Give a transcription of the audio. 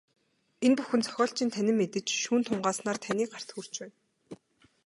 Энэ бүхэн зохиолчийн танин мэдэж, шүүн тунгааснаар таны гарт хүрч байна.